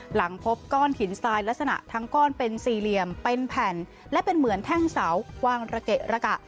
หลังพบก้อนหินทรายลักษณะทั้งก้อนเป็นสี่เหลี่ยมเป็นแผ่นและเป็นเหมือนแท่งเสากวางระเกะระกะ